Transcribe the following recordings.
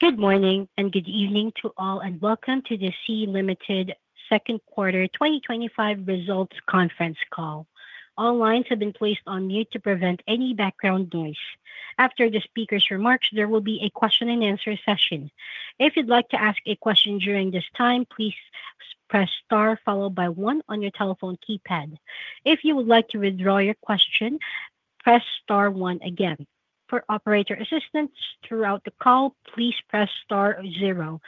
Good morning and good evening to all, and welcome to the Sea Limited Second Quarter 2025 Results Conference Call. All lines have been placed on mute to prevent any background noise. After the speaker's remarks, there will be a question-and-answer session. If you'd like to ask a question during this time, please press star followed by one on your telephone keypad. If you would like to withdraw your question, press star one again. For operator assistance throughout the call, please press star zero.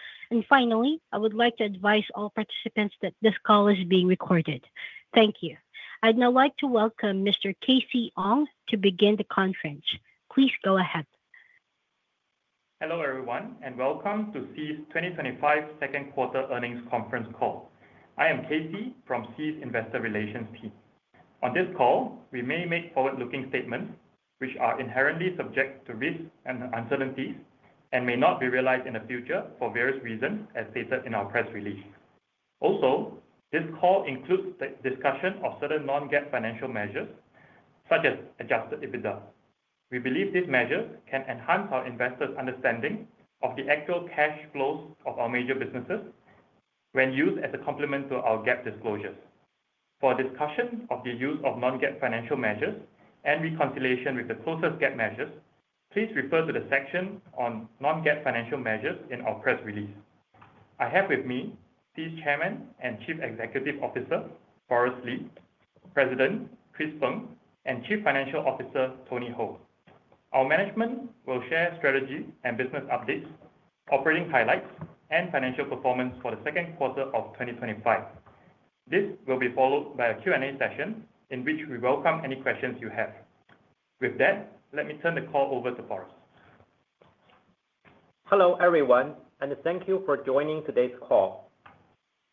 Finally, I would like to advise all participants that this call is being recorded. Thank you. I'd now like to welcome Mr. Casey Ong to begin the conference. Please go ahead Hello everyone, and welcome to Sea Limited's 2025 second quarter earnings conference call. I am Casey from Sea Limited's investor relations team. On this call, we may make forward-looking statements, which are inherently subject to risks and uncertainties and may not be realized in the future for various reasons, as stated in our press release. Also, this call includes the discussion of certain non-GAAP financial measures, such as adjusted EBITDA. We believe these measures can enhance our investors' understanding of the actual cash flows of our major businesses when used as a complement to our GAAP disclosures. For a discussion of the use of non-GAAP financial measures and reconciliation with the closest GAAP measures, please refer to the section on non-GAAP financial measures in our press release. I have with me Sea Limited's Chairman and Chief Executive Officer, Forrest Li, President Chris Feng, and Chief Financial Officer, Tony Hou. Our management will share strategy and business updates, operating highlights, and financial performance for the second quarter of 2025. This will be followed by a Q&A session in which we welcome any questions you have. With that, let me turn the call over to Forrest. Hello everyone, and thank you for joining today's call.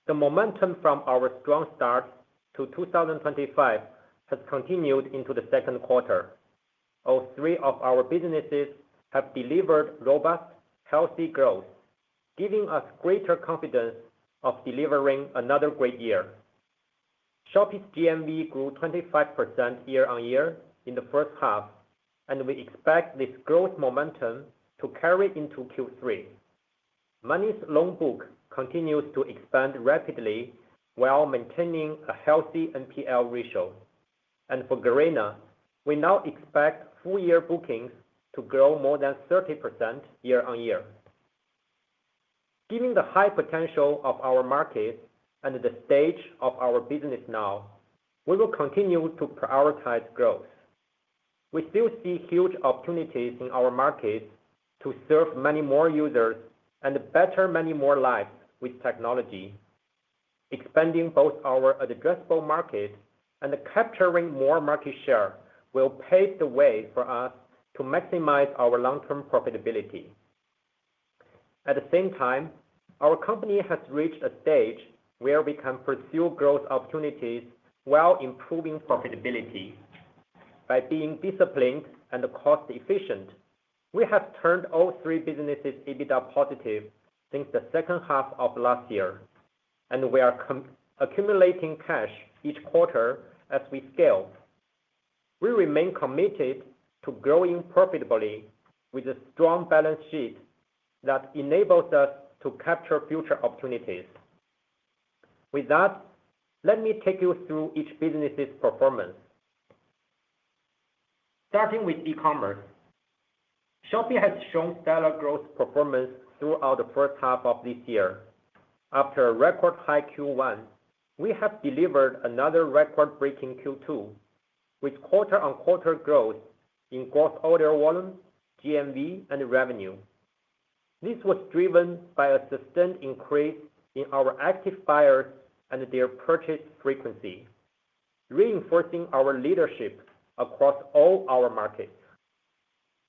The momentum from our strong start to 2025 has continued into the second quarter. All three of our businesses have delivered robust, healthy growth, giving us greater confidence of delivering another great year. Shopee's GMV grew 25% year-on-year in the first half, and we expect this growth momentum to carry into Q3. SeaMoney's loan book continues to expand rapidly while maintaining a healthy NPL ratio. For Garena, we now expect full-year bookings to grow more than 30% year-on-year. Given the high potential of our market and the stage of our business now, we will continue to prioritize growth. We still see huge opportunities in our market to serve many more users and better many more lives with technology. Expanding both our addressable market and capturing more market share will pave the way for us to maximize our long-term profitability. At the same time, our company has reached a stage where we can pursue growth opportunities while improving profitability. By being disciplined and cost-efficient, we have turned all three businesses EBITDA positive since the second half of last year, and we are accumulating cash each quarter as we scale. We remain committed to growing profitably with a strong balance sheet that enables us to capture future opportunities. With that, let me take you through each business's performance. Starting with e-commerce, Shopee has shown stellar growth performance throughout the first half of this year. After a record-high Q1, we have delivered another record-breaking Q2 with quarter-on-quarter growth in gross order volume, GMV, and revenue. This was driven by a sustained increase in our active buyers and their purchase frequency, reinforcing our leadership across all our markets.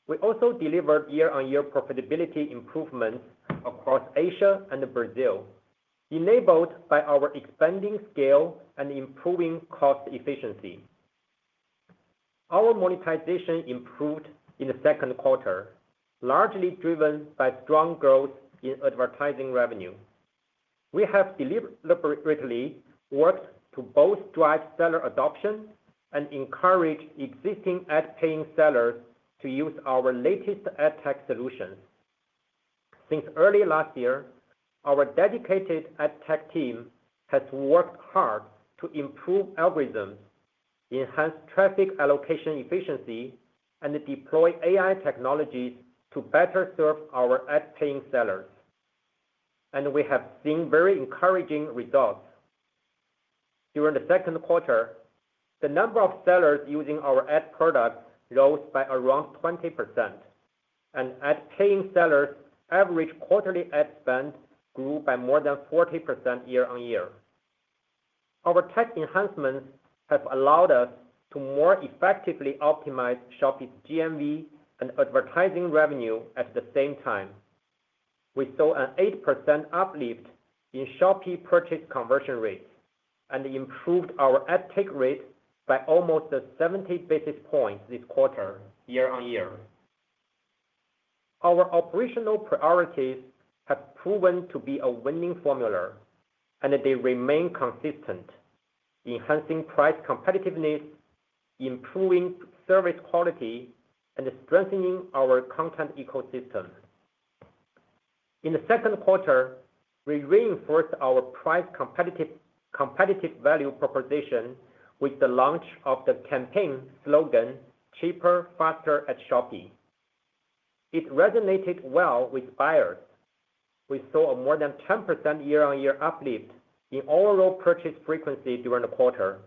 We also delivered year-on-year profitability improvements across Asia and Brazil, enabled by our expanding scale and improving cost efficiency. Our monetization improved in the second quarter, largely driven by strong growth in advertising revenue. We have deliberately worked to both drive seller adoption and encourage existing ad-paying sellers to use our latest ad tech solutions. Since early last year, our dedicated ad tech team has worked hard to improve algorithms, enhance traffic allocation efficiency, and deploy AI technologies to better serve our ad-paying sellers. We have seen very encouraging results. During the second quarter, the number of sellers using our ad products rose by around 20%, and ad-paying sellers' average quarterly ad spend grew by more than 40% year-on-year. Our tech enhancements have allowed us to more effectively optimize Shopee's GMV and advertising revenue at the same time. We saw an 8% uplift in Shopee's purchase conversion rates and improved our ad tech rate by almost 70 basis points this quarter, year-on-year. Our operational priorities have proven to be a winning formula, and they remain consistent, enhancing price competitiveness, improving service quality, and strengthening our content ecosystem. In the second quarter, we reinforced our price competitive value proposition with the launch of the campaign slogan, "Cheaper, Faster at Shopee." It resonated well with buyers. We saw a more than 10% year-on-year uplift in overall purchase frequency during the quarter,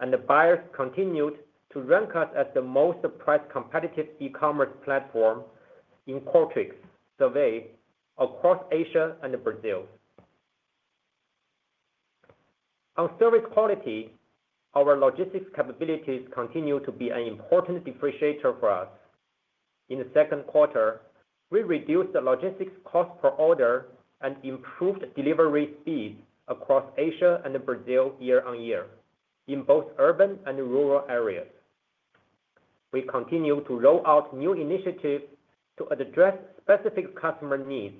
and buyers continued to rank us as the most price-competitive e-commerce platform in Qualtrics surveyed across Asia and Brazil. On service quality, our logistics capabilities continue to be an important differentiator for us. In the second quarter, we reduced the logistics cost per order and improved delivery speed across Asia and Brazil year-on-year in both urban and rural areas. We continue to roll out new initiatives to address specific customer needs,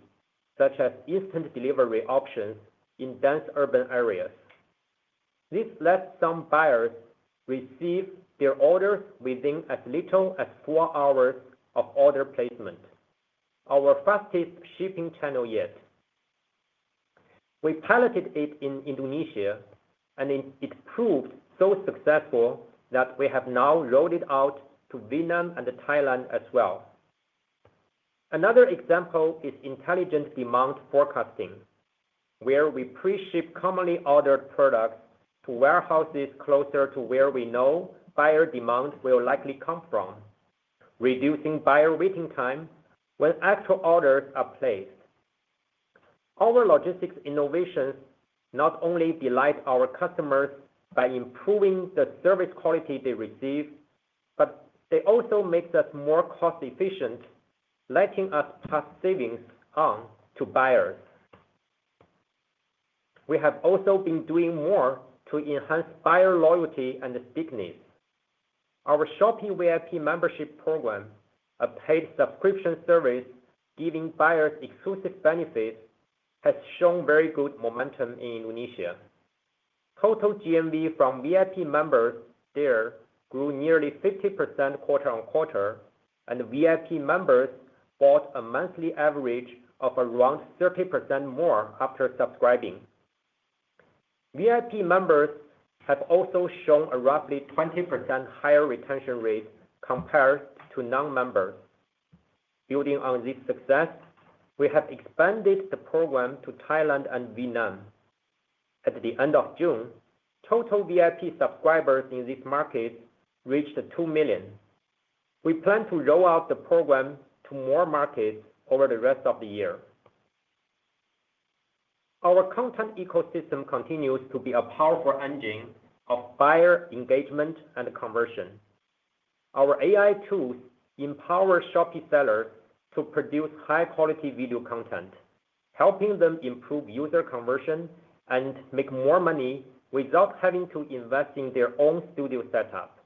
such as instant delivery options in dense urban areas. This lets some buyers receive their order within as little as four hours of order placement, our fastest shipping channel yet. We piloted it in Indonesia, and it proved so successful that we have now rolled it out to Vietnam and Thailand as well. Another example is intelligent demand forecasting, where we pre-ship commonly ordered products to warehouses closer to where we know buyer demand will likely come from, reducing buyer waiting time when actual orders are placed. Our logistics innovations not only delight our customers by improving the service quality they receive, but they also make us more cost-efficient, letting us pass savings on to buyers. We have also been doing more to enhance buyer loyalty and stickiness. Our Shopee VIP membership program, a paid subscription service giving buyers exclusive benefits, has shown very good momentum in Indonesia. Total GMV from VIP members there grew nearly 50% quarter on quarter, and VIP members bought a monthly average of around 30% more after subscribing. VIP members have also shown a roughly 20% higher retention rate compared to non-members. Building on this success, we have expanded the program to Thailand and Vietnam. At the end of June, total VIP subscribers in these markets reached 2 million. We plan to roll out the program to more markets over the rest of the year. Our content ecosystem continues to be a powerful engine of buyer engagement and conversion. Our AI tools empower Shopee sellers to produce high-quality video content, helping them improve user conversion and make more money without having to invest in their own studio setup.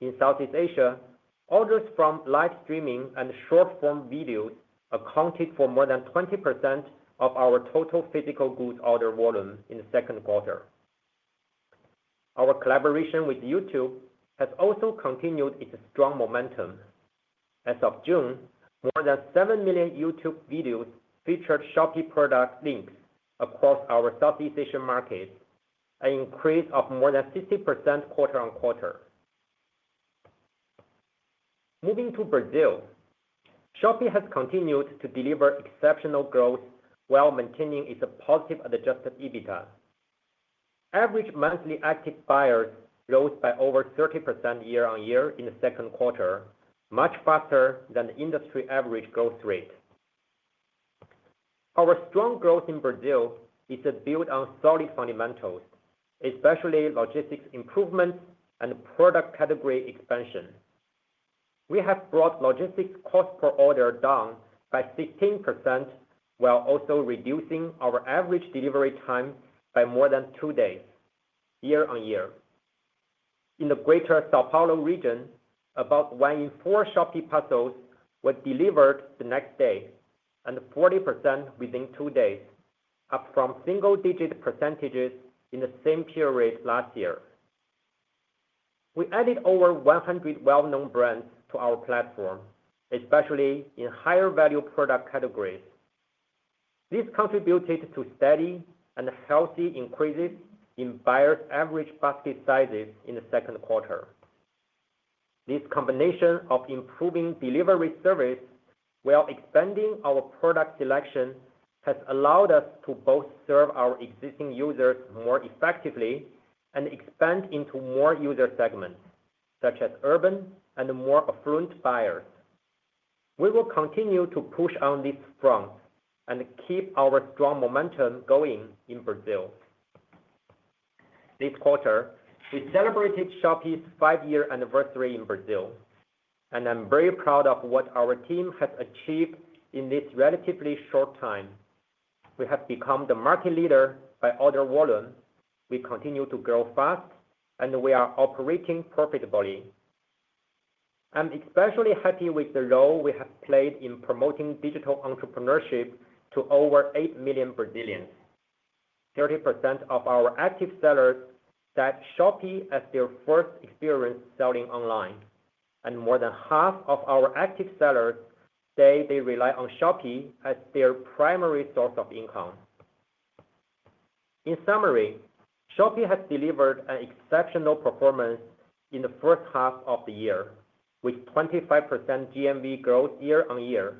In Southeast Asia, orders from live streaming and short-form videos accounted for more than 20% of our total physical goods order volume in the second quarter. Our collaboration with YouTube has also continued its strong momentum. As of June, more than 7 million YouTube videos featured Shopee product links across our Southeast Asian markets, an increase of more than 50% quarter-on-quarter. Moving to Brazil, Shopee has continued to deliver exceptional growth while maintaining its positive adjusted EBITDA. Average monthly active buyers rose by over 30% year-on-year in the second quarter, much faster than the industry average growth rate. Our strong growth in Brazil is built on solid fundamentals, especially logistics improvements and product category expansion. We have brought logistics cost per order down by 16% while also reducing our average delivery time by more than two days, year-on-year. In the Greater São Paulo region, about one in four Shopee parcels were delivered the next day, and 40% within two days, up from single-digit percentages in the same period last year. We added over 100 well-known brands to our platform, especially in higher-value product categories. This contributed to steady and healthy increases in buyers' average basket sizes in the second quarter. This combination of improving delivery service while expanding our product selection has allowed us to both serve our existing users more effectively and expand into more user segments, such as urban and more affluent buyers. We will continue to push on this front and keep our strong momentum going in Brazil. This quarter, we celebrated Shopee's five-year anniversary in Brazil, and I'm very proud of what our team has achieved in this relatively short time. We have become the market leader by order volume, we continue to grow fast, and we are operating profitably. I'm especially happy with the role we have played in promoting digital entrepreneurship to over 8 million Brazilians. 30% of our active sellers cite Shopee as their first experience selling online, and more than half of our active sellers say they rely on Shopee as their primary source of income. In summary, Shopee has delivered an exceptional performance in the first half of the year, with 25% GMV growth year-on-year,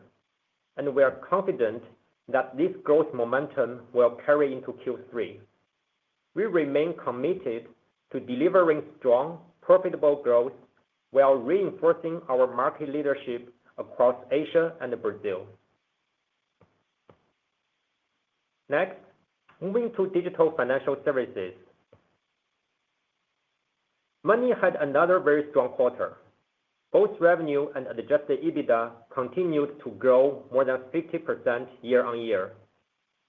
and we are confident that this growth momentum will carry into Q3. We remain committed to delivering strong, profitable growth while reinforcing our market leadership across Asia and Brazil. Next, moving to digital financial services. SeaMoney had another very strong quarter. Both revenue and adjusted EBITDA continued to grow more than 50% year-on-year,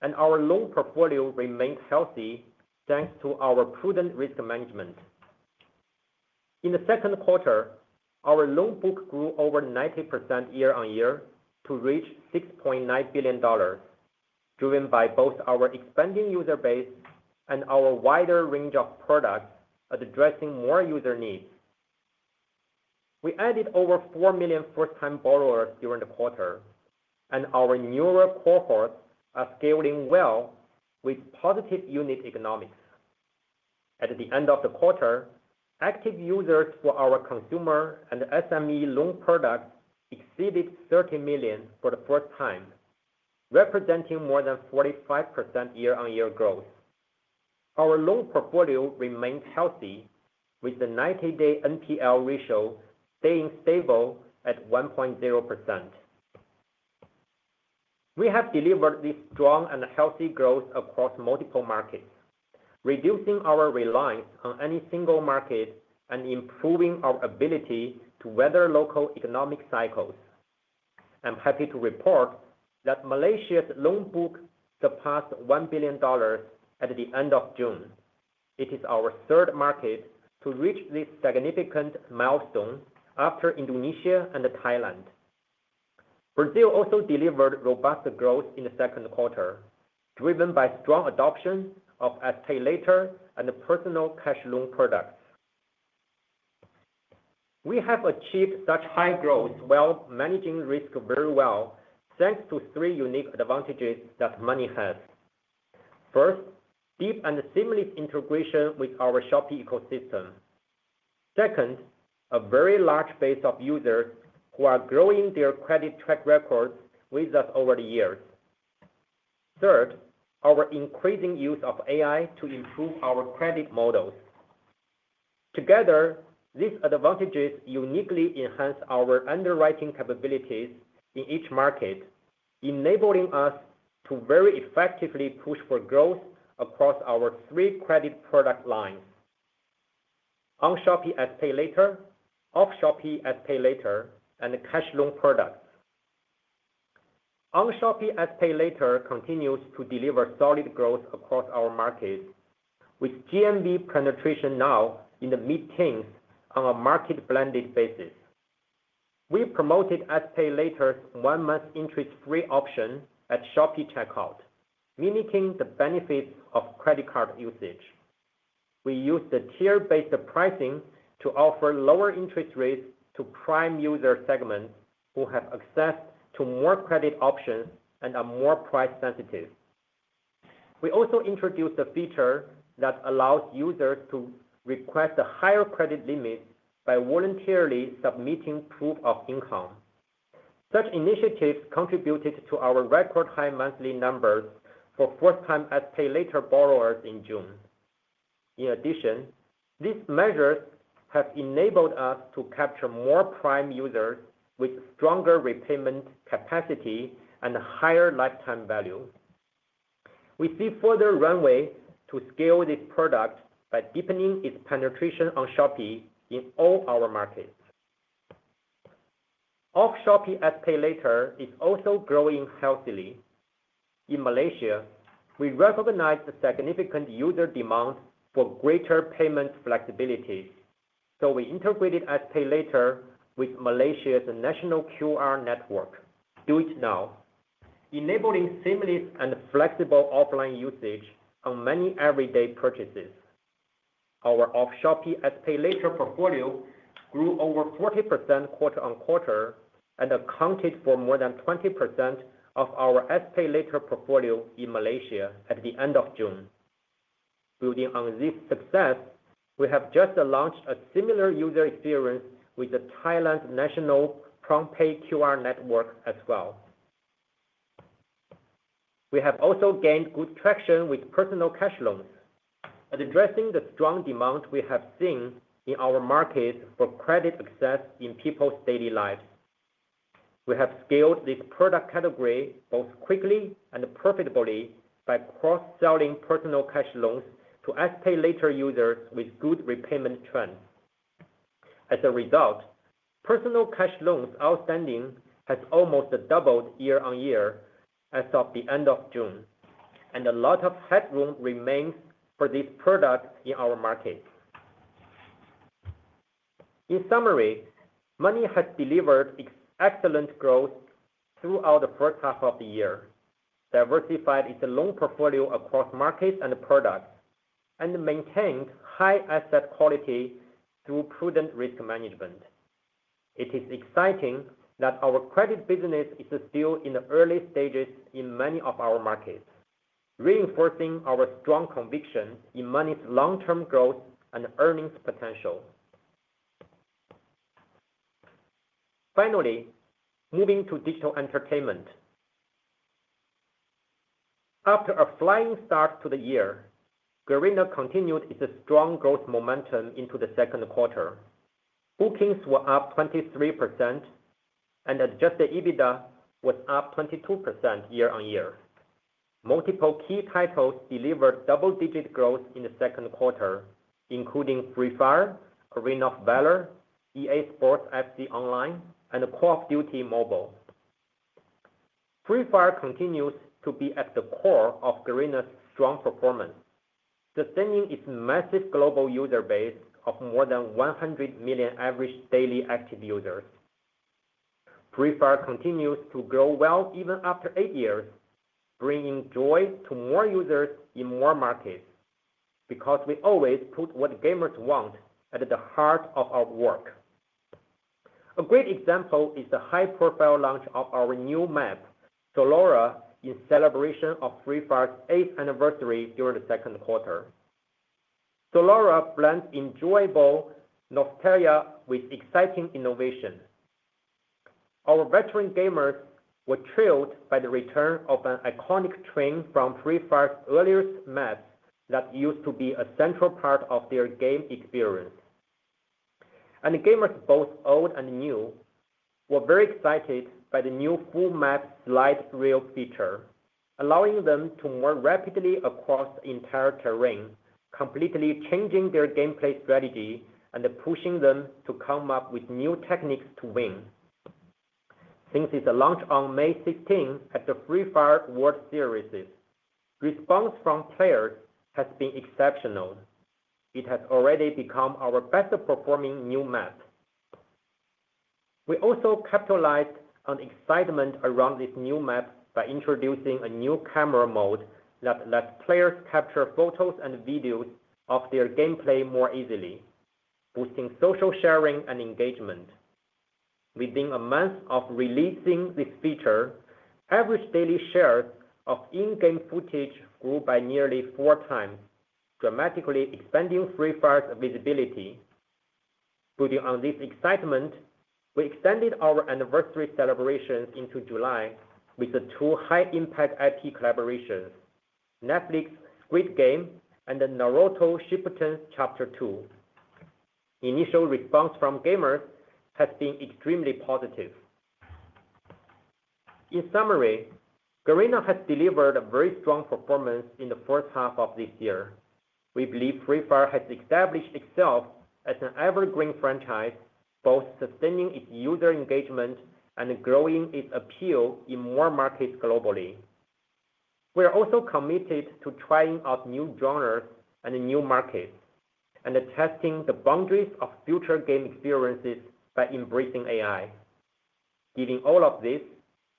and our loan portfolio remained healthy thanks to our prudent risk management. In the second quarter, our loan book grew over 90% year-on-year to reach $6.9 billion, driven by both our expanding user base and our wider range of products addressing more user needs. We added over 4 million first-time borrowers during the quarter, and our newer cohorts are scaling well with positive unit economics. At the end of the quarter, active users for our consumer and SME loan products exceeded 30 million for the first time, representing more than 45% year-on-year growth. Our loan portfolio remained healthy, with the 90-day NPL ratio staying stable at 1.0%. We have delivered this strong and healthy growth across multiple markets, reducing our reliance on any single market and improving our ability to weather local economic cycles. I'm happy to report that Malaysia's loan book surpassed $1 billion at the end of June. It is our third market to reach this significant milestone after Indonesia and Thailand. Brazil also delivered robust growth in the second quarter, driven by strong adoption of SPayLater and personal cash loan products. We have achieved such high growth while managing risk very well, thanks to three unique advantages that SeaMoney has. First, deep and seamless integration with our Shopee ecosystem. Second, a very large base of users who are growing their credit track records with us over the years. Third, our increasing use of AI to improve our credit models. Together, these advantages uniquely enhance our underwriting capabilities in each market, enabling us to very effectively push for growth across our three credit product lines: on Shopee SPayLater, off Shopee SPayLater, and cash loan products. On Shopee SPayLater continues to deliver solid growth across our market, with GMV penetration now in the mid-teens on a market-blended basis. We promoted SPayLater's one-month interest-free option at Shopee checkout, mimicking the benefits of credit card usage. We used tier-based pricing to offer lower interest rates to prime user segments who have access to more credit options and are more price-sensitive. We also introduced a feature that allows users to request a higher credit limit by voluntarily submitting proof of income. Such initiatives contributed to our record-high monthly numbers for first-time SPayLater borrowers in June. In addition, these measures have enabled us to capture more prime users with stronger repayment capacity and higher lifetime value. We see further runway to scale this product by deepening its penetration on Shopee in all our markets. Off Shopee SPayLater is also growing healthily. In Malaysia, we recognize the significant user demand for greater payment flexibility, so we integrated SPayLater with Malaysia's national QR network, DuitNow, enabling seamless and flexible offline usage on many everyday purchases. Our off Shopee SPayLater portfolio grew over 40% quarter on quarter and accounted for more than 20% of our SPayLater portfolio in Malaysia at the end of June. Building on this success, we have just launched a similar user experience with Thailand's national PromptPay QR network as well. We have also gained good traction with personal cash loans, addressing the strong demand we have seen in our market for credit access in people's daily lives. We have scaled this product category both quickly and profitably by cross-selling personal cash loans to SPayLater users with good repayment trends. As a result, personal cash loans outstanding has almost doubled year-on-year as of the end of June, and a lot of headroom remains for this product in our market. In summary, SeaMoney has delivered excellent growth throughout the first half of the year, diversified its loan portfolio across markets and products, and maintained high asset quality through prudent risk management. It is exciting that our credit business is still in the early stages in many of our markets, reinforcing our strong conviction in SeaMoney's long-term growth and earnings potential. Finally, moving to digital entertainment. After a flying start to the year, Garena continued its strong growth momentum into the second quarter. Bookings were up 23%, and adjusted EBITDA was up 22% year-on-year. Multiple key titles delivered double-digit growth in the second quarter, including Free Fire, Arena of Valor, EA Sports FC Online, and Call of Duty Mobile. Free Fire continues to be at the core of Garena's strong performance, sustaining its massive global user base of more than 100 million average daily active users. Free Fire continues to grow well even after eight years, bringing joy to more users in more markets because we always put what gamers want at the heart of our work. A great example is the high-profile launch of our new map, Solara, in celebration of Free Fire's eighth anniversary during the second quarter. Solara blends enjoyable nostalgia with exciting innovation. Our veteran gamers were thrilled by the return of an iconic train from Free Fire's earliest maps that used to be a central part of their game experience. Gamers both old and new were very excited by the new full map's live thrill feature, allowing them to move rapidly across the entire terrain, completely changing their gameplay strategy and pushing them to come up with new techniques to win. Since its launch on May 16 at the Free Fire World Series, response from players has been exceptional. It has already become our best-performing new map. We also capitalized on excitement around this new map by introducing a new camera mode that lets players capture photos and videos of their gameplay more easily, boosting social sharing and engagement. Within a month of releasing this feature, average daily shares of in-game footage grew by nearly four times, dramatically expanding Free Fire's visibility. Building on this excitement, we extended our anniversary celebration into July with two high-impact IP collaborations: Netflix's "Great Game" and the Naruto Shippuden Chapter 2. Initial response from gamers has been extremely positive. In summary, Garena has delivered a very strong performance in the first half of this year. We believe Free Fire has established itself as an evergreen franchise, both sustaining its user engagement and growing its appeal in more markets globally. We are also committed to trying out new genres and new markets and testing the boundaries of future game experiences by embracing AI. Given all of this,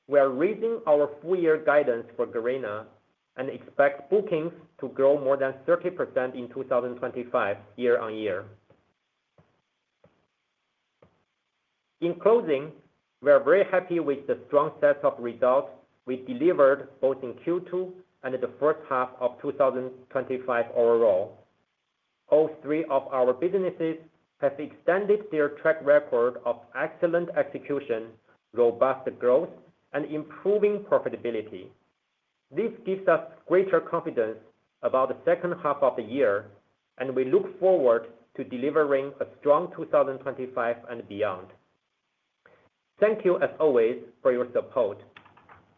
we are raising our full-year guidance for Garena and expect bookings to grow more than 30% in 2025, year-on-year. In closing, we are very happy with the strong set of results we delivered both in Q2 and the first half of 2025 overall. All three of our businesses have extended their track record of excellent execution, robust growth, and improving profitability. This gives us greater confidence about the second half of the year, and we look forward to delivering a strong 2025 and beyond. Thank you, as always, for your support.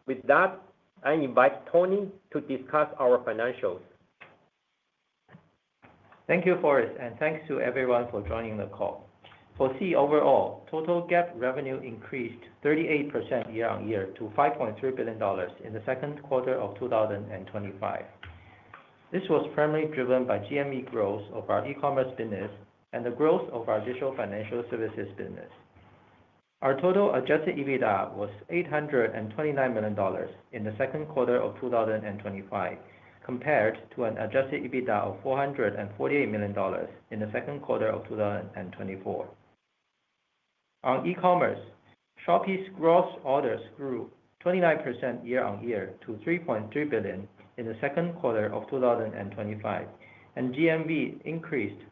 With that, I invite Tony to discuss our financials. Thank you, Forrest, and thanks to everyone for joining the call. For Sea Limited overall, total GAAP revenue increased 38% year-on-year to $5.3 billion in the second quarter of 2025. This was primarily driven by GMV growth of our e-commerce business and the growth of our digital financial services business. Our total adjusted EBITDA was $829 million in the second quarter of 2025, compared to an adjusted EBITDA of $448 million in the second quarter of 2024. On e-commerce, Shopee's gross orders grew 29% year-on-year to $3.3 billion in the second quarter of 2025, and GMV increased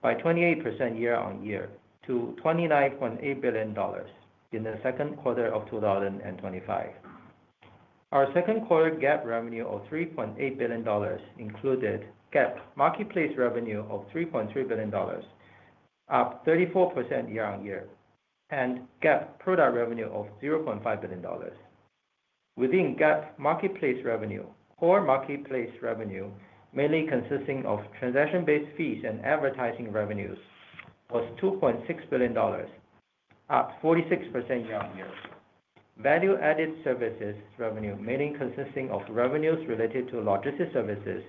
by 28% year-on-year to $29.8 billion in the second quarter of 2025. Our second-quarter GAAP revenue of $3.8 billion included GAAP marketplace revenue of $3.3 billion, up 34% year-on-year, and GAAP product revenue of $0.5 billion. Within GAAP marketplace revenue, core marketplace revenue, mainly consisting of transaction-based fees and advertising revenues, was $2.6 billion, up 46% year-on-year. Value-added services revenue, mainly consisting of revenues related to logistics services,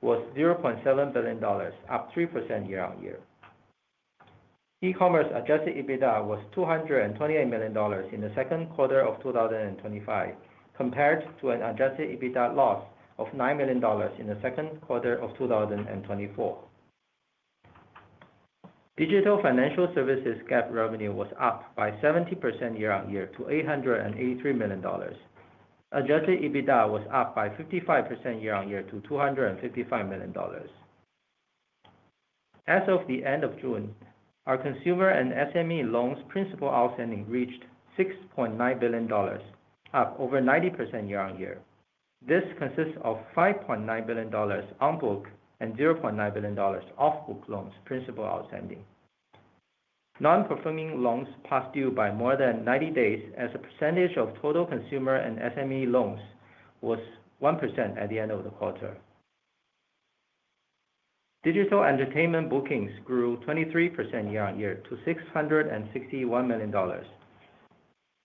was $0.7 billion, up 3% year-on-year. E-commerce adjusted EBITDA was $228 million in the second quarter of 2025, compared to an adjusted EBITDA loss of $9 million in the second quarter of 2024. Digital financial services GAAP revenue was up by 70% year-on-year to $883 million. Adjusted EBITDA was up by 55% year-on-year to $255 million. As of the end of June, our consumer and SME loans' principal outstanding reached $6.9 billion, up over 90% year-on-year. This consists of $5.9 billion on-book and $0.9 billion off-book loans' principal outstanding. Non-performing loans past due by more than 90 days as a percentage of total consumer and SME loans was 1% at the end of the quarter. Digital entertainment bookings grew 23% year-on-year to $661 million.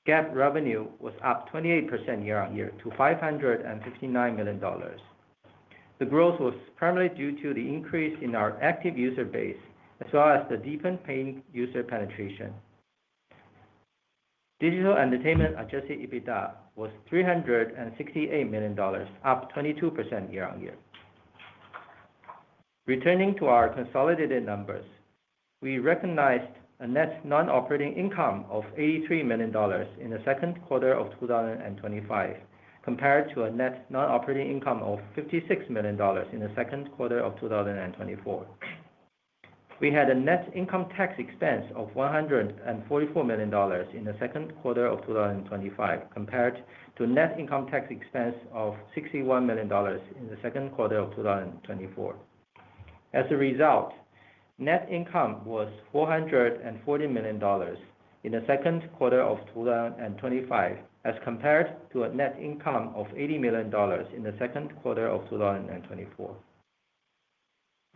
GAAP revenue was up 28% year-on-year to $559 million. The growth was primarily due to the increase in our active user base, as well as the deepened paying user penetration. Digital entertainment adjusted EBITDA was $368 million, up 22% year-on-year. Returning to our consolidated numbers, we recognized a net non-operating income of $83 million in the second quarter of 2025, compared to a net non-operating income of $56 million in the second quarter of 2024. We had a net income tax expense of $144 million in the second quarter of 2025, compared to a net income tax expense of $61 million in the second quarter of 2024. As a result, net income was $440 million in the second quarter of 2025, as compared to a net income of $80 million in the second quarter of 2024.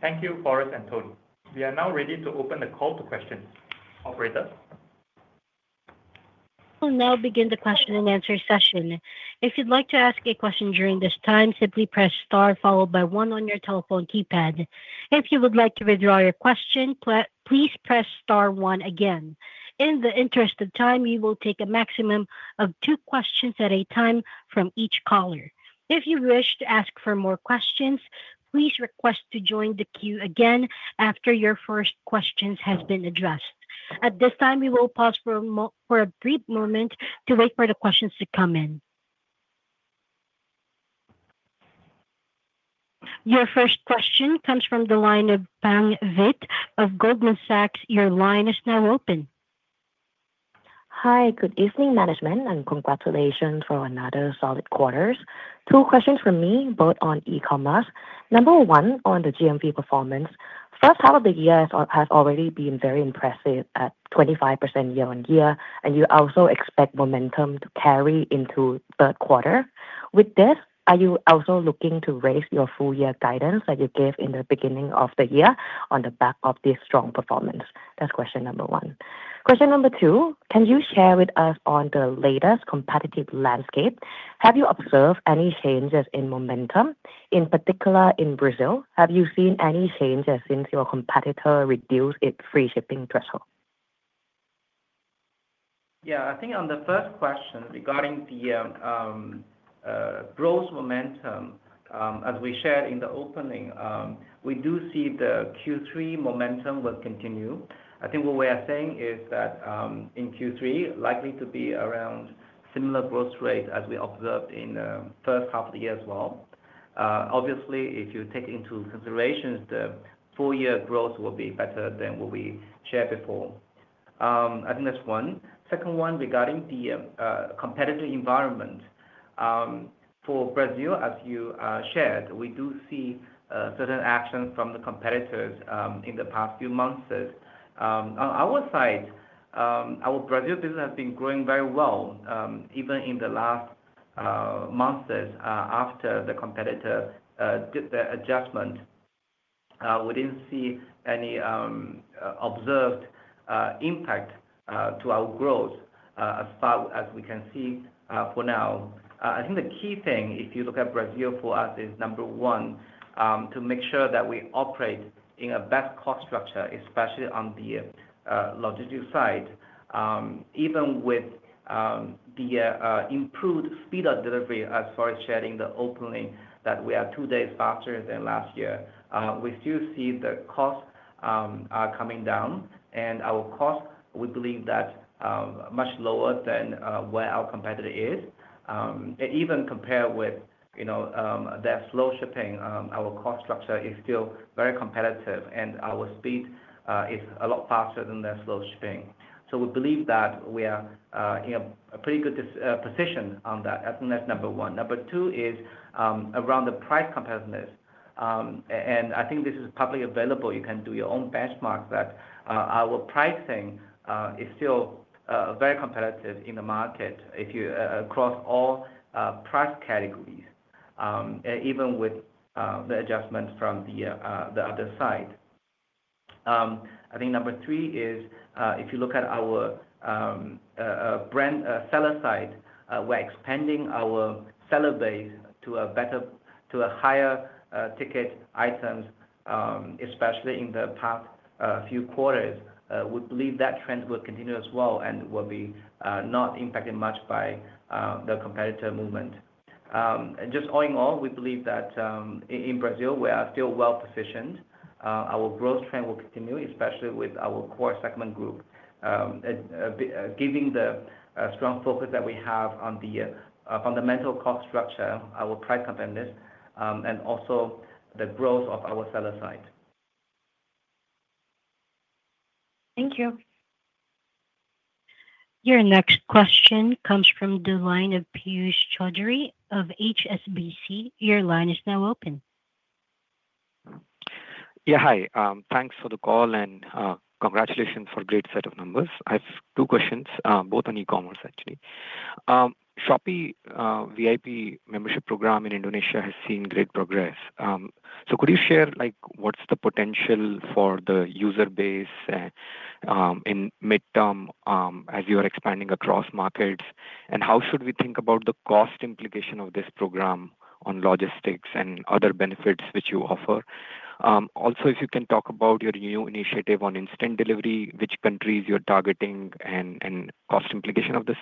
Thank you, Forrest and Tony. We are now ready to open the call to questions. Operator? I'll now begin the question-and-answer session. If you'd like to ask a question during this time, simply press star followed by one on your telephone keypad. If you would like to withdraw your question, please press star one again. In the interest of time, we will take a maximum of two questions at a time from each caller. If you wish to ask more questions, please request to join the queue again after your first question has been addressed. At this time, we will pause for a brief moment to wait for the questions to come in. Your first question comes from the line of Pang Vitt of Goldman Sachs. Your line is now open. Hi, good evening, management, and congratulations for another solid quarter. Two questions from me, both on e-commerce. Number one, on the GMV performance. First half of the year has already been very impressive at 25% year-on-year, and you also expect momentum to carry into third quarter. With this, are you also looking to raise your full-year guidance that you gave in the beginning of the year on the back of this strong performance? That's question number one. Question number two, can you share with us on the latest competitive landscape? Have you observed any changes in momentum, in particular in Brazil? Have you seen any changes since your competitor reduced its free shipping threshold? Yeah, I think on the first question regarding the growth momentum, as we shared in the opening, we do see the Q3 momentum will continue. I think what we are saying is that in Q3, likely to be around a similar growth rate as we observed in the first half of the year as well. Obviously, if you take into consideration the four-year growth, it will be better than what we shared before. I think that's one. The second one, regarding the competitive environment for Brazil, as you shared, we do see certain actions from the competitors in the past few months. On our side, our Brazil business has been growing very well, even in the last months after the competitor did the adjustment. We didn't see any observed impact to our growth as far as we can see for now. I think the key thing, if you look at Brazil for us, is number one, to make sure that we operate in a best cost structure, especially on the logistics side. Even with the improved speed of delivery, as Forrest shared in the opening, that we are two days faster than last year, we still see the costs coming down, and our costs, we believe, are much lower than where our competitor is. Even compared with their slow shipping, our cost structure is still very competitive, and our speed is a lot faster than their slow shipping. We believe that we are in a pretty good position on that. I think that's number one. Number two is around the price competitiveness. I think this is publicly available. You can do your own benchmarks that our pricing is still very competitive in the market across all price categories, even with the adjustments from the other side. Number three is if you look at our brand seller side, we're expanding our seller base to a better, to a higher ticket items, especially in the past few quarters. We believe that trend will continue as well and will be not impacted much by the competitor movement. All in all, we believe that in Brazil, we are still well positioned. Our growth trend will continue, especially with our core segment group, given the strong focus that we have on the fundamental cost structure, our price competitiveness, and also the growth of our seller side. Thank you. Your next question comes from the line of Piyush Choudhary of HSBC. Your line is now open. Yeah, hi. Thanks for the call and congratulations for a great set of numbers. I have two questions, both on e-commerce, actually. Shopee VIP membership program in Indonesia has seen great progress. Could you share, like, what's the potential for the user base in mid-term as you are expanding across markets? How should we think about the cost implication of this program on logistics and other benefits which you offer? Also, if you can talk about your new initiative on instant delivery, which countries you're targeting and cost implication of this.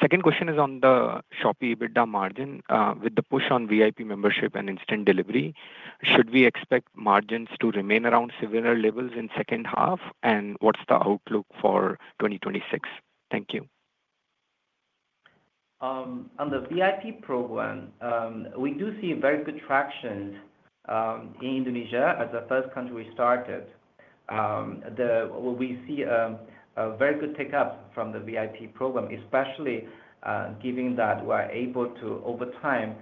Second question is on the Shopee EBITDA margin. With the push on VIP membership and instant delivery, should we expect margins to remain around similar levels in the second half? What's the outlook for 2026? Thank you. On the VIP program, we do see very good traction in Indonesia. As the first country we started, we see very good take-up from the VIP program, especially given that we are able to, over time,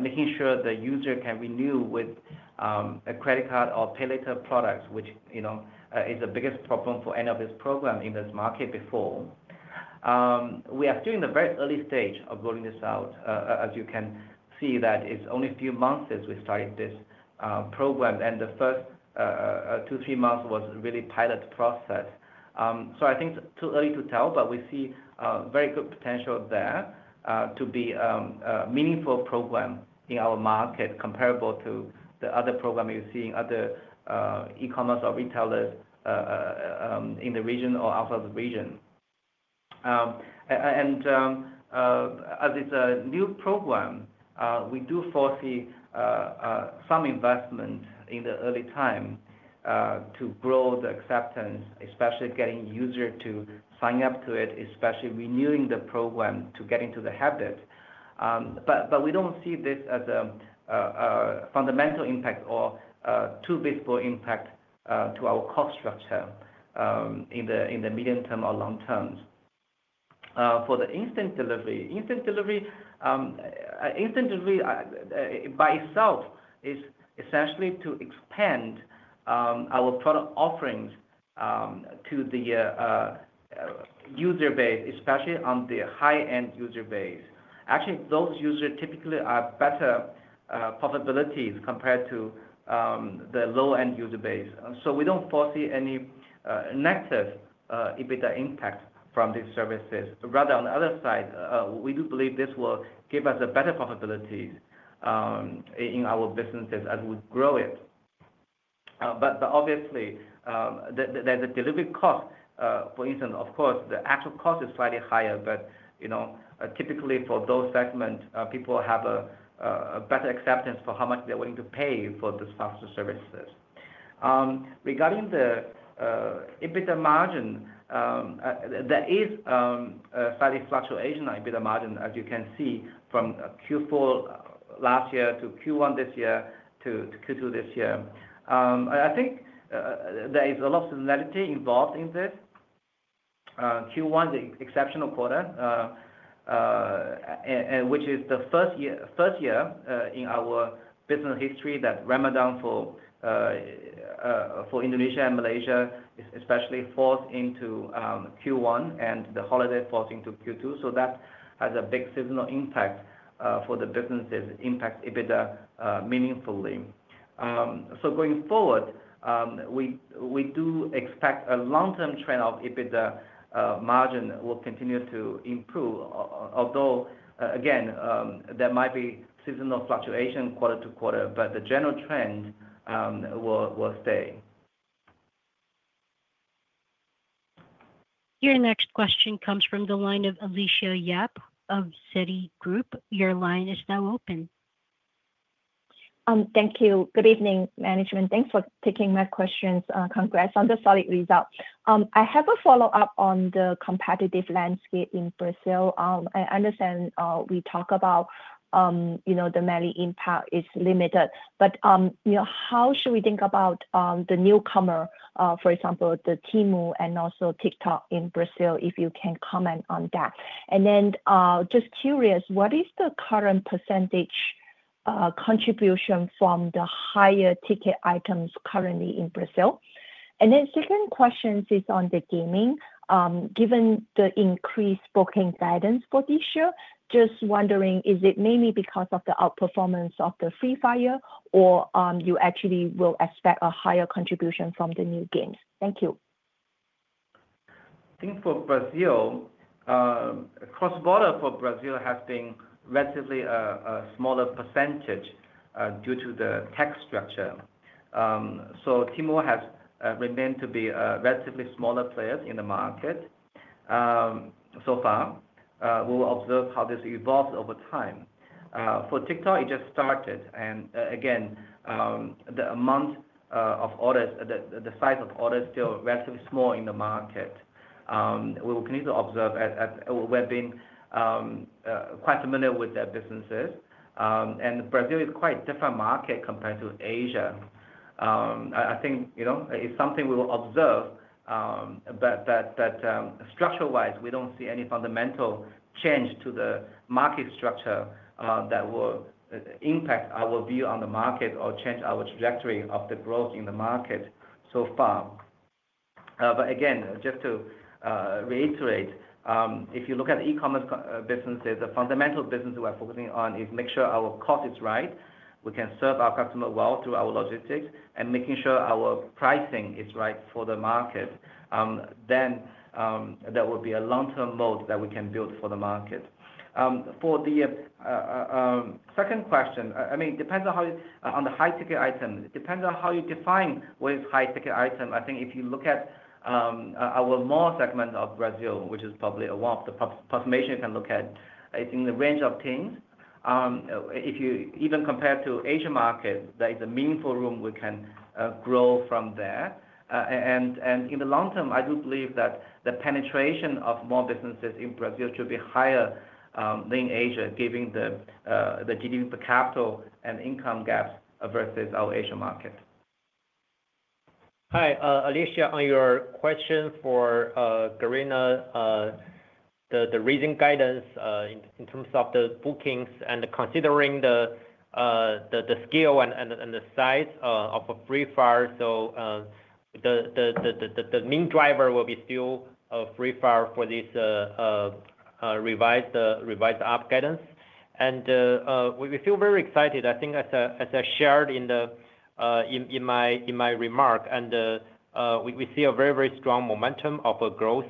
make sure the user can renew with a credit card or pay later product, which is the biggest problem for any of this program in this market before. We are still in the very early stage of rolling this out. As you can see, it's only a few months since we started this program, and the first two, three months was really a pilot process. I think it's too early to tell, but we see very good potential there to be a meaningful program in our market, comparable to the other programs you see in other e-commerce or retailers in the region or outside the region. As it's a new program, we do foresee some investment in the early time to grow the acceptance, especially getting users to sign up to it, especially renewing the program to get into the habit. We don't see this as a fundamental impact or too visible impact to our cost structure in the medium term or long term. For the instant delivery, instant delivery by itself is essentially to expand our product offerings to the user base, especially on the high-end user base. Actually, those users typically have better profitabilities compared to the low-end user base. We don't foresee any negative EBITDA impact from these services. Rather, on the other side, we do believe this will give us better profitability in our businesses as we grow it. Obviously, there's a delivery cost. For instance, of course, the actual cost is slightly higher, but typically for those segments, people have a better acceptance for how much they're willing to pay for these functional services. Regarding the EBITDA margin, there is a slight fluctuation in EBITDA margin, as you can see from Q4 last year to Q1 this year to Q2 this year. I think there is a lot of seasonality involved in this. Q1 is an exceptional quarter, which is the first year in our business history that Ramadan for Indonesia and Malaysia is especially forced into Q1, and the holiday forced into Q2. That has a big seasonal impact for the businesses impacting EBITDA meaningfully. Going forward, we do expect a long-term trend of EBITDA margin will continue to improve, although again, there might be seasonal fluctuation quarter to quarter, but the general trend will stay. Your next question comes from the line of Alicia Yap of Citigroup. Your line is now open. Thank you. Good evening, management. Thanks for taking my questions. Congrats on the solid results. I have a follow-up on the competitive landscape in Brazil. I understand we talk about the melee impact is limited, but how should we think about the newcomer, for example, the Temu and also TikTok Shop in Brazil, if you can comment on that? Just curious, what is the current percentage contribution from the higher ticket items currently in Brazil? The second question is on the gaming. Given the increased booking guidance for this year, just wondering, is it mainly because of the outperformance of the Free Fire, or you actually will expect a higher contribution from the new games? Thank you. I think for Brazil, cross-border for Brazil has been relatively a smaller percentage due to the tech structure. Temu has remained to be a relatively smaller player in the market so far. We'll observe how this evolves over time. For TikTok Shop, it just started. Again, the amount of orders, the size of orders is still relatively small in the market. We will continue to observe. We have been quite familiar with their businesses. Brazil is a quite different market compared to Asia. I think it's something we will observe, but structure-wise, we don't see any fundamental change to the market structure that will impact our view on the market or change our trajectory of the growth in the market so far. Just to reiterate, if you look at e-commerce businesses, the fundamental businesses we are focusing on is to make sure our cost is right, we can serve our customers well through our logistics, and making sure our pricing is right for the market. There will be a long-term mode that we can build for the market. For the second question, it depends on the high ticket item. It depends on how you define what is a high ticket item. I think if you look at our mall segment of Brazil, which is probably one of the population you can look at, it's in the range of teams. If you even compare to the Asian market, there is a meaningful room we can grow from there. In the long term, I do believe that the penetration of more businesses in Brazil should be higher than in Asia, given the GDP per capita and income gaps versus our Asian market. Hi, Alicia, on your question for Garena, the recent guidance in terms of the bookings and considering the scale and the size of Free Fire. The main driver will be still Free Fire for this revised app guidance. We feel very excited. I think, as I shared in my remark, we see a very, very strong momentum of growth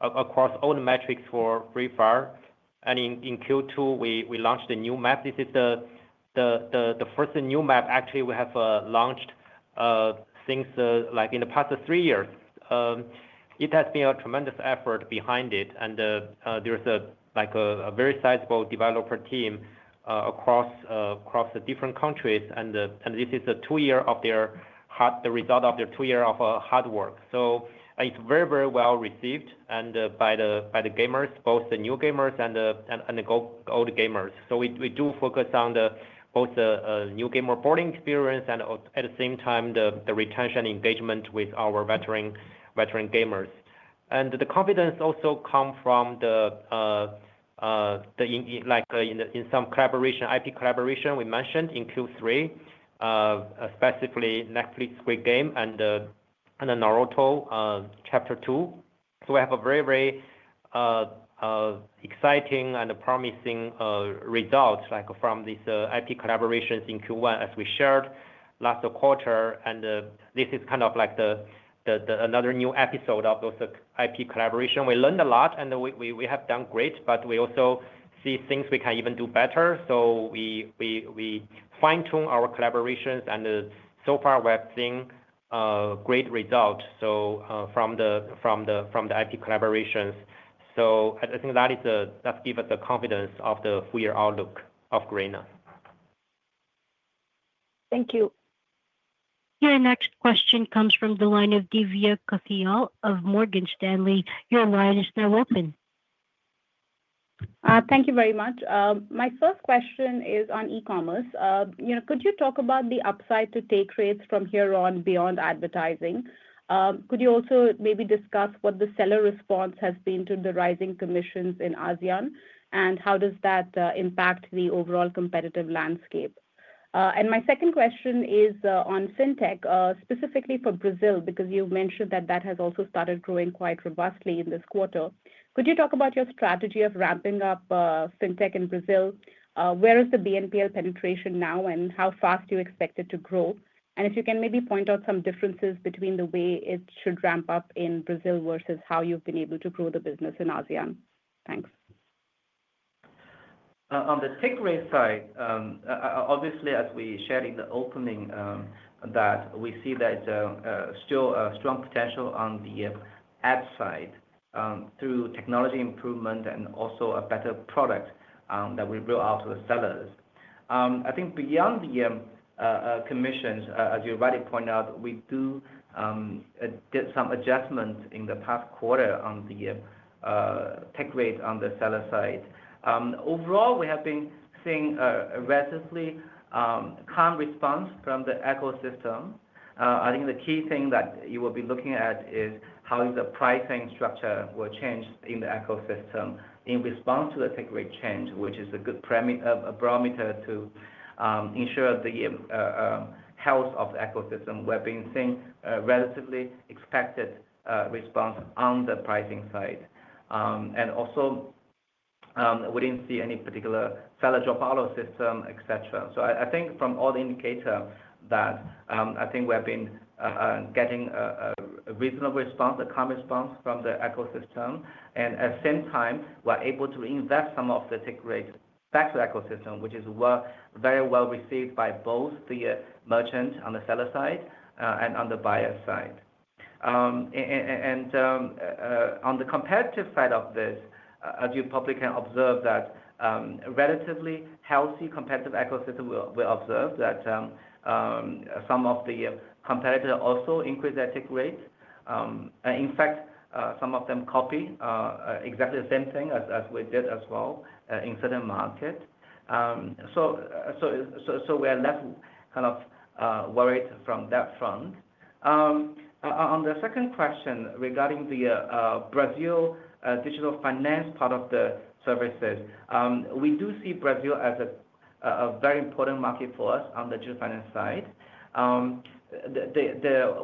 across all the metrics for Free Fire. In Q2, we launched a new map. This is the first new map actually we have launched in the past three years. It has been a tremendous effort behind it. There is a very sizable developer team across different countries. This is the result of their two years of hard work. It is very, very well received by the gamers, both the new gamers and the old gamers. We do focus on both the new gamer boarding experience and, at the same time, the retention and engagement with our veteran gamers. The confidence also comes from some collaboration, IP collaboration we mentioned in Q3, specifically Netflix Great Game and Naruto Chapter 2. We have a very, very exciting and promising result from these IP collaborations in Q1, as we shared last quarter. This is kind of like another new episode of those IP collaborations. We learned a lot, and we have done great, but we also see things we can even do better. We fine-tune our collaborations. So far, we have seen great results from the IP collaborations. I think that gives us the confidence of the four-year outlook of Garena. Thank you. Your next question comes from the line of Divya Kothiyal of Morgan Stanley. Your line is now open. Thank you very much. My first question is on e-commerce. Could you talk about the upside to take rates from here on beyond advertising? Could you also maybe discuss what the seller response has been to the rising commissions in ASEAN, and how does that impact the overall competitive landscape? My second question is on fintech, specifically for Brazil, because you mentioned that that has also started growing quite robustly in this quarter. Could you talk about your strategy of ramping up fintech in Brazil? Where is the BNPL penetration now, and how fast do you expect it to grow? If you can maybe point out some differences between the way it should ramp up in Brazil versus how you've been able to grow the business in ASEAN. Thanks. On the take rate side, obviously, as we shared in the opening, we see that it's still a strong potential on the app side through technology improvement and also a better product that we roll out to the sellers. I think beyond the commissions, as you already pointed out, we did some adjustments in the past quarter on the take rate on the seller side. Overall, we have been seeing a relatively calm response from the ecosystem. I think the key thing that you will be looking at is how the pricing structure will change in the ecosystem in response to the take rate change, which is a good barometer to ensure the health of the ecosystem. We've been seeing a relatively expected response on the pricing side. We didn't see any particular seller dropout system, etc. I think from all the indicators that I think we've been getting a reasonable response, a calm response from the ecosystem. At the same time, we're able to reinvest some of the take rate back to the ecosystem, which is very well received by both the merchant on the seller side and on the buyer side. On the competitive side of this, as you probably can observe, that relatively healthy competitive ecosystem, we've observed that some of the competitors also increase their take rates. In fact, some of them copy exactly the same thing as we did as well in certain markets. We're less kind of worried from that front. On the second question regarding the Brazil digital finance part of the services, we do see Brazil as a very important market for us on the digital finance side.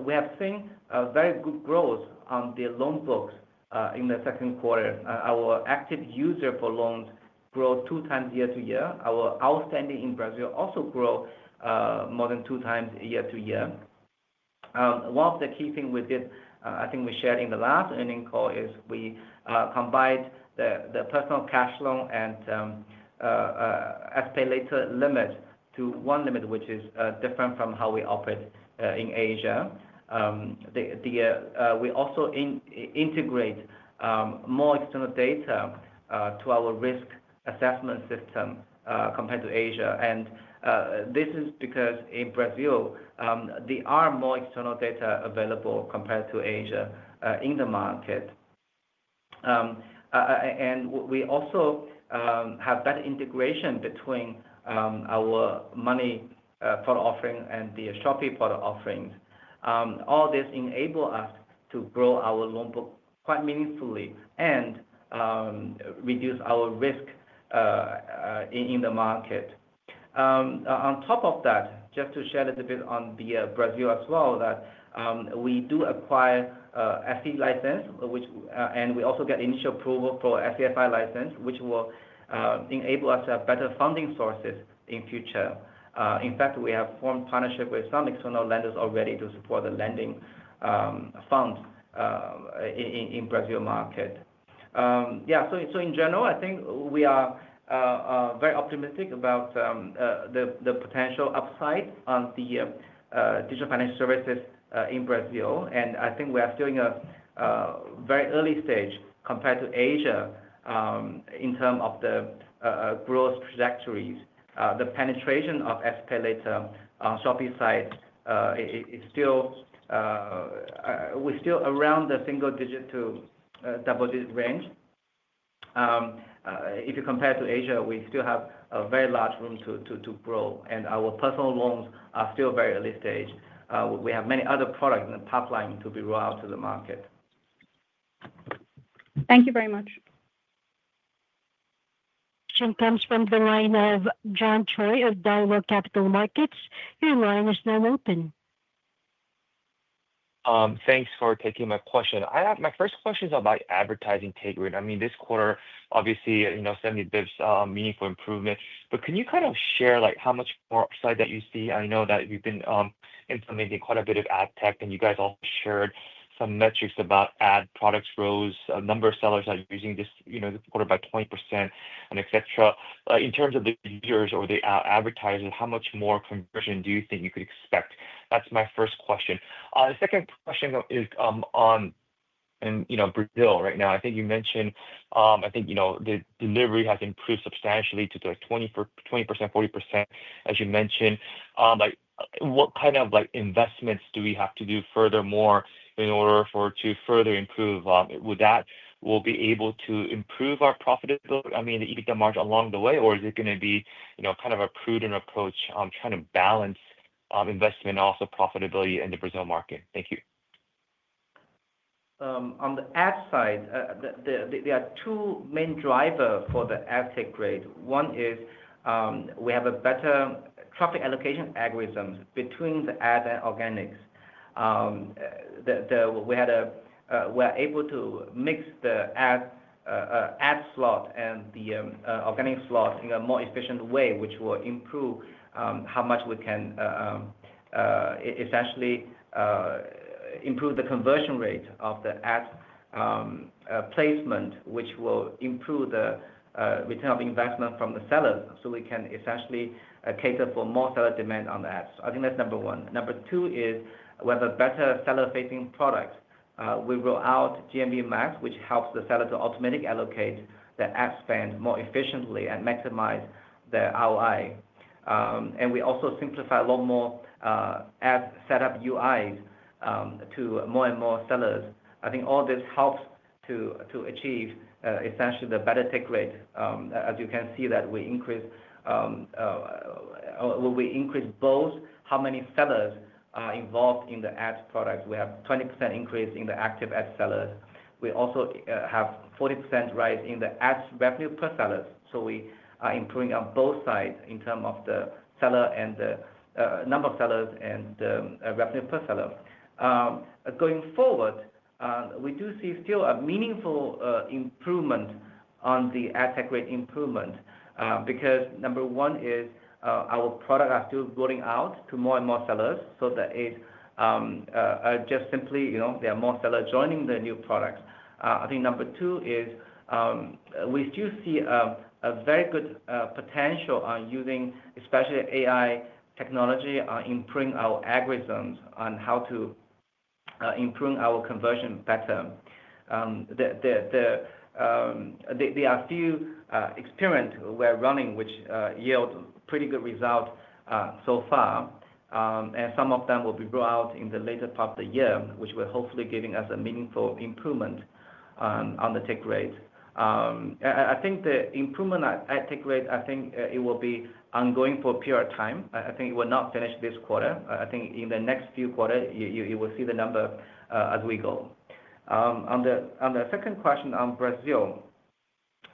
We have seen very good growth on the loan books in the second quarter. Our active user for loans grows two times year to year. Our outstanding in Brazil also grows more than two times year to year. One of the key things we did, I think we shared in the last earnings call, is we combined the personal cash loan and SPayLater limits to one limit, which is different from how we operate in Asia. We also integrate more external data to our risk assessment system compared to Asia. This is because in Brazil, there are more external data available compared to Asia in the market. We also have better integration between our money product offering and the Shopee product offerings. All this enables us to grow our loan book quite meaningfully and reduce our risk in the market. On top of that, just to share a little bit on Brazil as well, we do acquire SE license, and we also get initial approval for SAFI license, which will enable us to have better funding sources in the future. In fact, we have formed partnerships with some external lenders already to support the lending fund in the Brazil market. In general, I think we are very optimistic about the potential upside on the digital finance services in Brazil. I think we are still in a very early stage compared to Asia in terms of the growth trajectories. The penetration of SPayLater on the Shopee side is still around the single-digit to double-digit range. If you compare it to Asia, we still have a very large room to grow, and our personal loans are still very early stage. We have many other products in the pipeline to be rolled out to the market. Thank you very much. Question comes from the line of John Choi of Daiwa. Your line is now open. Thanks for taking my question. My first question is about advertising take rate. I mean, this quarter, obviously, 70 basis points meaningful improvement. Can you kind of share how much more upside that you see? I know that we've been implementing quite a bit of ad tech, and you guys also shared some metrics about ad products rose, a number of sellers that are using this quarter by 20%, etc. In terms of the users or the advertisers, how much more conversion do you think you could expect? That's my first question. The second question is on Brazil right now. I think you mentioned, I think the delivery has improved substantially to 20%, 40%, as you mentioned. What kind of investments do we have to do furthermore in order to further improve? Would that be able to improve our profitability, I mean, the EBITDA margin along the way, or is it going to be kind of a prudent approach trying to balance investment and also profitability in the Brazil market? Thank you. On the ad side, there are two main drivers for the ad tech rate. One is we have a better traffic allocation algorithm between the ads and organics. We are able to mix the ad slot and the organic slot in a more efficient way, which will improve how much we can essentially improve the conversion rate of the ads' placement, which will improve the return on investment from the sellers so we can essentially cater for more seller demand on ads. I think that's number one. Number two is we have a better seller-facing product. We roll out GMV Max, which helps the seller to automatically allocate the ad spend more efficiently and maximize the ROI. We also simplify a lot more ad setup UIs to more and more sellers. I think all this helps to achieve essentially the better take rate. As you can see, we increase both how many sellers are involved in the ads product. We have a 20% increase in the active ad sellers. We also have a 40% rise in the ads revenue per seller. We are improving on both sides in terms of the seller and the number of sellers and the revenue per seller. Going forward, we do see still a meaningful improvement on the ad tech rate improvement because number one is our products are still rolling out to more and more sellers. That is just simply, you know, there are more sellers joining the new product. I think number two is we still see a very good potential on using, especially AI technology, on improving our algorithms on how to improve our conversion better. There are a few experiments we're running, which yield pretty good results so far. Some of them will be rolled out in the later part of the year, which will hopefully give us a meaningful improvement on the take rate. I think the improvement on the ad tech rate, I think it will be ongoing for a period of time. I think it will not finish this quarter. I think in the next few quarters, you will see the number as we go. On the second question on Brazil,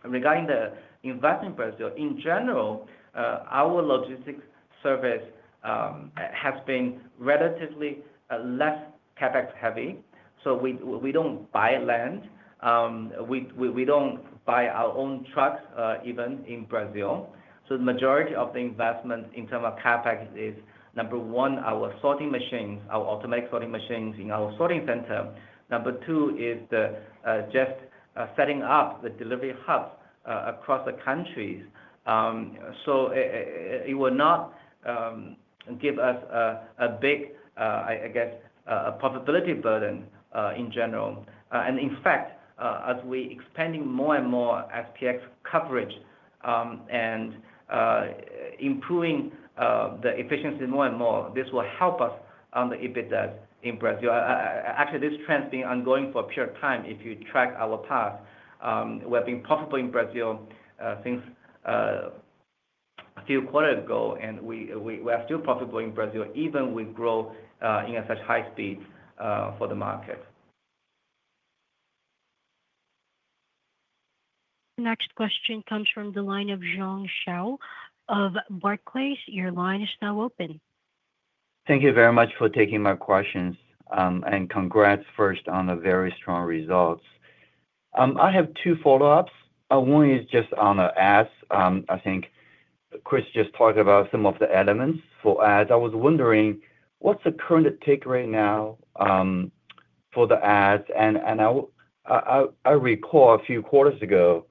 regarding the investment in Brazil, in general, our logistics service has been relatively less CapEx heavy. We don't buy land. We don't buy our own trucks, even in Brazil. The majority of the investment in terms of CapEx is, number one, our sorting machines, our automatic sorting machines in our sorting center. Number two is just setting up the delivery hubs across the countries. It will not give us a big, I guess, a profitability burden in general. In fact, as we expand more and more SPX coverage and improve the efficiency more and more, this will help us on the EBITDA in Brazil. Actually, this trend has been ongoing for a period of time. If you track our path, we have been profitable in Brazil since a few quarters ago, and we are still profitable in Brazil, even with growth in such high speed for the market. Next question comes from the line of Jiong Shao of Barclays. Your line is now open. Thank you very much for taking my questions, and congrats first on the very strong results. I have two follow-ups. One is just on the ads. I think Chris just talked about some of the elements for ads. I was wondering, what's the current take rate now for the ads? I recall a few quarters ago,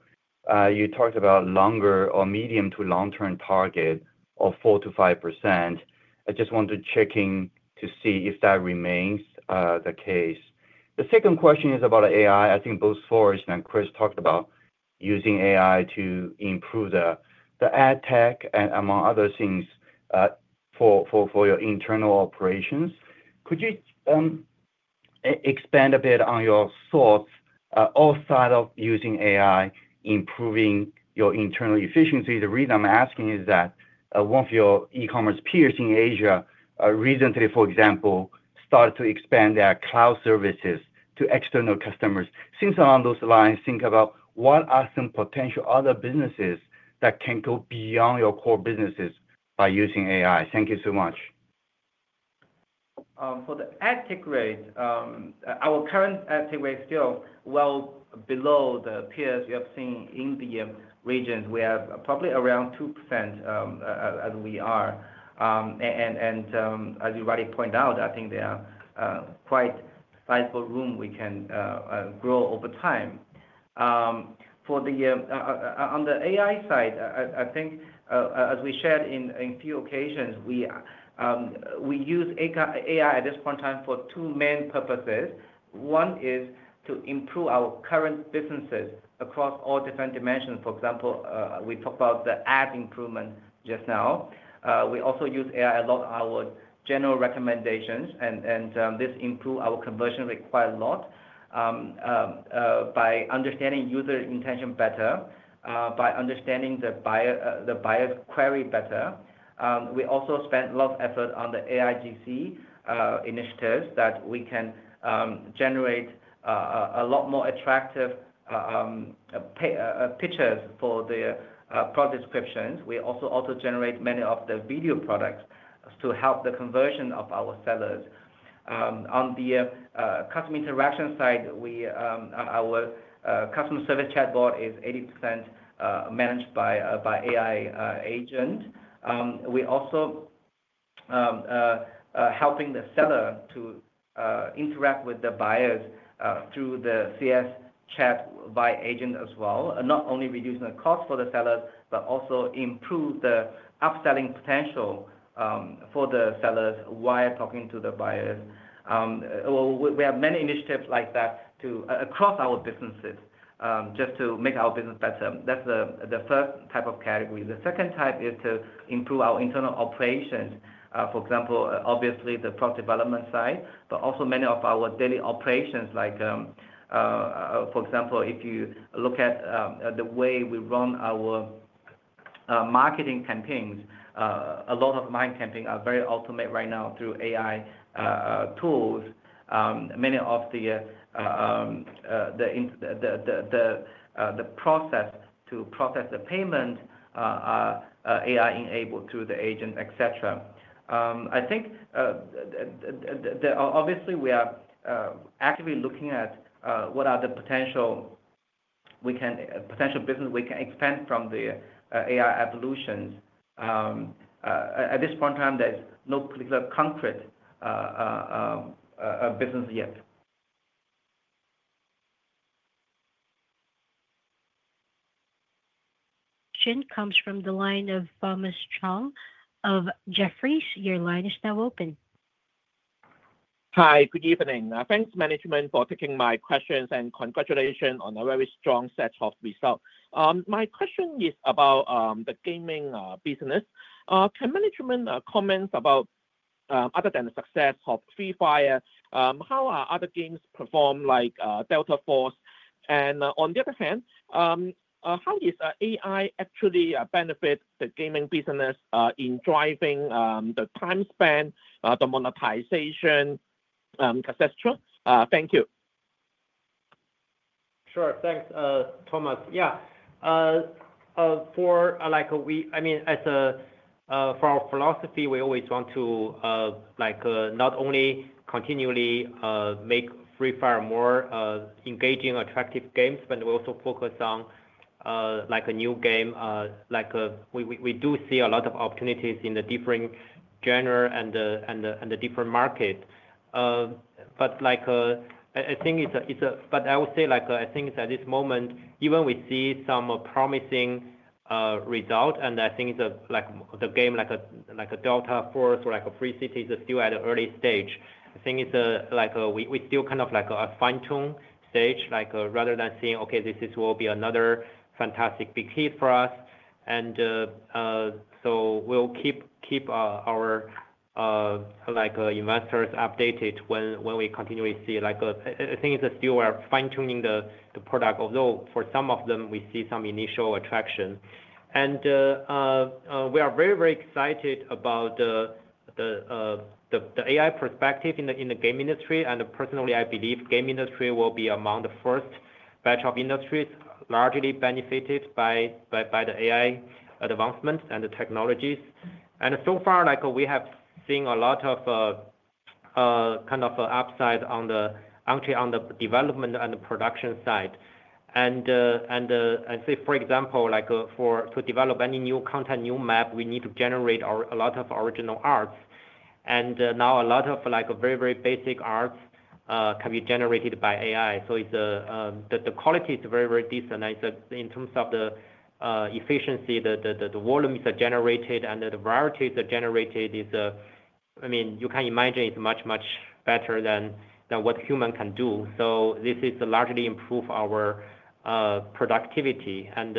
you talked about a longer or medium to long-term target of 4%-5%. I just want to check in to see if that remains the case. The second question is about AI. I think both Forrest and Chris talked about using AI to improve the ad tech and, among other things, for your internal operations. Could you expand a bit on your thoughts outside of using AI, improving your internal efficiency? The reason I'm asking is that one of your e-commerce peers in Asia recently, for example, started to expand their cloud services to external customers. Since on those lines, think about what are some potential other businesses that can go beyond your core businesses by using AI. Thank you so much. For the ad tech rate, our current ad tech rate is still well below the peers you have seen in the region. We are probably around 2% as we are. As you already pointed out, I think there is quite a sizable room we can grow over time. On the AI side, I think, as we shared on a few occasions, we use AI at this point in time for two main purposes. One is to improve our current businesses across all different dimensions. For example, we talked about the ad improvement just now. We also use AI a lot in our general recommendations, and this improves our conversion rate quite a lot. By understanding user intention better, by understanding the buyer's query better, we also spend a lot of effort on the AIGC initiatives that can generate a lot more attractive pictures for the product descriptions. We also auto-generate many of the video products to help the conversion of our sellers. On the customer interaction side, our customer service chatbot is 80% managed by AI agents. We're also helping the seller to interact with the buyers through the CS chat by agent as well, not only reducing the cost for the sellers, but also improving the upselling potential for the sellers while talking to the buyers. We have many initiatives like that across our businesses just to make our business better. That's the first type of category. The second type is to improve our internal operations. For example, obviously, the product development side, but also many of our daily operations. For example, if you look at the way we run our marketing campaigns, a lot of marketing campaigns are very automated right now through AI tools. Many of the processes to process the payments are AI-enabled through the agent, etc. I think, obviously, we are actively looking at what are the potential businesses we can expand from the AI evolutions. At this point in time, there's no particular concrete business yet. Question comes from the line of Thomas Chong of Jefferies. Your line is now open. Hi, good evening. Thanks, management, for taking my questions, and congratulations on a very strong set of results. My question is about the gaming business. Can management comment about, other than the success of Free Fire, how are other games performed like Delta Force? On the other hand, how does AI actually benefit the gaming business in driving the time span, the monetization, et cetera? Thank you. Sure. Thanks, Thomas. For, like, we, I mean, as a philosophy, we always want to not only continually make Free Fire more engaging, attractive games, but we also focus on a new game. We do see a lot of opportunities in the different genres and the different markets. I think it's a, but I will say, I think that at this moment, even we see some promising results, and I think it's a, like, the game, like a Delta Force or like a Free City, is still at an early stage. I think it's a, like, we still kind of like a fine-tuned stage, rather than saying, okay, this will be another fantastic big hit for us. We'll keep our investors updated when we continually see, I think it's still we're fine-tuning the product, although for some of them, we see some initial attraction. We are very, very excited about the AI perspective in the game industry. Personally, I believe the game industry will be among the first batch of industries largely benefited by the AI advancements and the technologies. So far, we have seen a lot of kind of upside on the, actually, on the development and the production side. For example, to develop any new content, new map, we need to generate a lot of original arts. Now a lot of very, very basic arts can be generated by AI. The quality is very, very decent in terms of the efficiency. The volume is generated, and the variety is generated. You can imagine it's much, much better than what humans can do. This has largely improved our productivity, and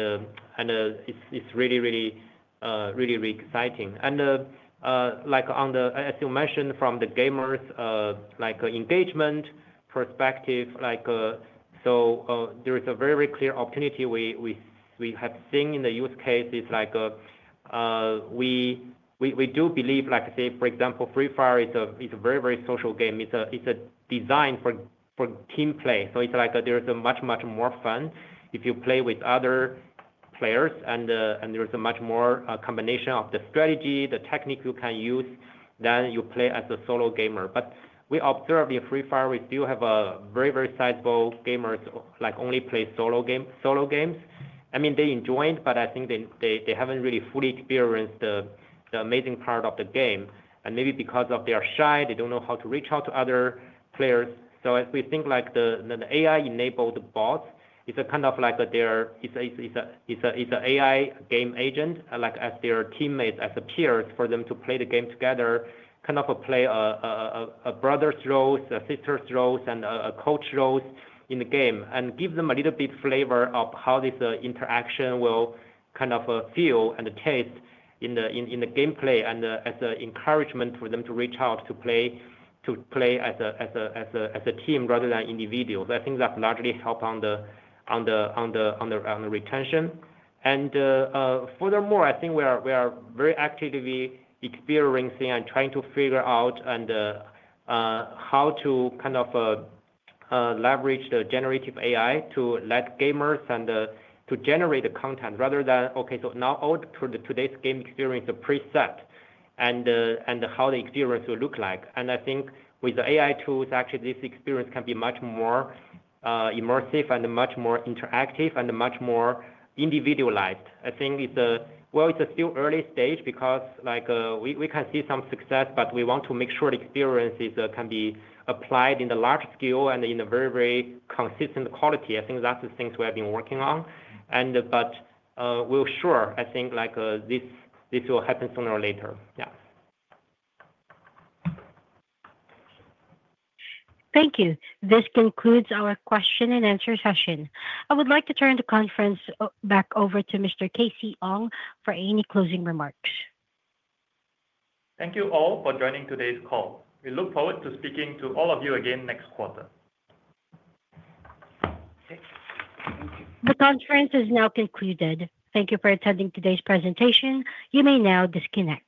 it's really, really, really exciting. As you mentioned, from the gamers' engagement perspective, there is a very, very clear opportunity we have seen in the use cases. We do believe, for example, Free Fire is a very, very social game. It's designed for team play. There's much, much more fun if you play with other players, and there's a much more combination of the strategy, the technique you can use than you play as a solo gamer. We observed in Free Fire, we still have a very, very sizable gamers who only play solo games. They enjoy it, but I think they haven't really fully experienced the amazing part of the game. Maybe because they are shy, they don't know how to reach out to other players. As we think, like, the AI-enabled bots, it's kind of like they're, it's an AI game agent, like, as their teammates, as peers, for them to play the game together, kind of play a brother's role, a sister's role, and a coach role in the game, and give them a little bit of flavor of how this interaction will kind of feel and taste in the gameplay as an encouragement for them to reach out to play as a team rather than individuals. I think that largely helps on the retention. Furthermore, I think we are very actively experiencing and trying to figure out how to kind of leverage the generative AI to let gamers generate content rather than, okay, so now all today's game experience is preset and how the experience will look like. I think with the AI tools, actually, this experience can be much more immersive and much more interactive and much more individualized. It's still an early stage because we can see some success, but we want to make sure the experience can be applied in the large scale and in a very, very consistent quality. I think that's the things we have been working on. We're sure, I think, like, this will happen sooner or later. Yeah. Thank you. This concludes our question-and-answer session. I would like to turn the conference back over to Mr. Casey Ong for any closing remarks. Thank you all for joining today's call. We look forward to speaking to all of you again next quarter. The conference is now concluded. Thank you for attending today's presentation. You may now disconnect.